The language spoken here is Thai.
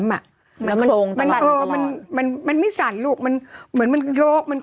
แล้วมันโครงตลอดมันไม่สั่นลูกมันเหมือนมันโยก